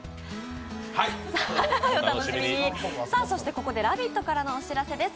ここで「ラヴィット！」からのお知らせです。